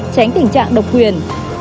tránh tình trạng độc quyền